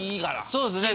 そうですね。